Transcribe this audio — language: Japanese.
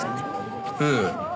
ええ。